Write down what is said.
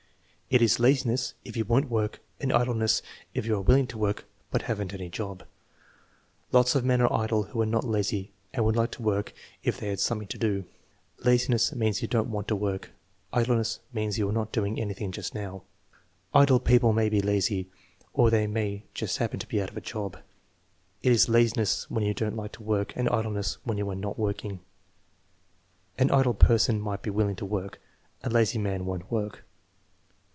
"It is laziness if you won't work, and idleness if you are willing to work but have n't any job.*' "Lots of men are idle who are not lazy and would like to work if they had something to do." "Laziness means you don't want to work; idleness means you are not doing anything just now." "Idle people may be lazy, or they may just happen to be out of a job." "It is laziness when you don't like to work, and idleness when you are not working." "An idle person might be willing to work; a lazy man won't work."